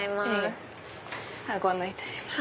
ご案内いたします。